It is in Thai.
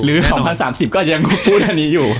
๒๐๓๐ก็ยังพูดอันนี้อยู่